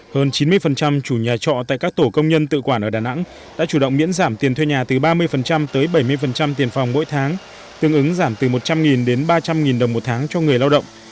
hơn chín mươi chủ nhà trọ tại các tổ công nhân tự quản ở đà nẵng đã chủ động miễn giảm tiền thuê nhà từ ba mươi tới bảy mươi tiền phòng mỗi tháng tương ứng giảm từ một trăm linh đến ba trăm linh đồng một tháng cho người lao động